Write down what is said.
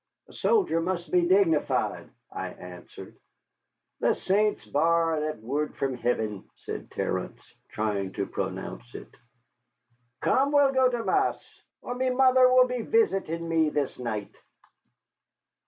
"A soldier must be dignified," I answered. "The saints bar that wurrd from hiven," said Terence, trying to pronounce it. "Come, we'll go to mass, or me mother will be visitin' me this night."